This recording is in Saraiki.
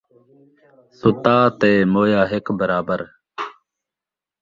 ستّا تے مویا ہک برابر